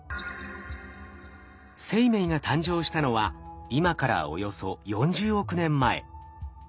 生命が誕生したのは今からおよそ４０億年前。